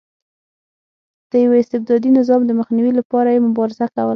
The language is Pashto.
د یوه استبدادي نظام د مخنیوي لپاره یې مبارزه کوله.